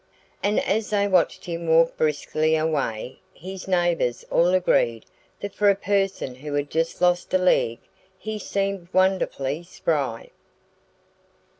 And as they watched him walk briskly away his neighbors all agreed that for a person who had just lost a leg he seemed wonderfully spry.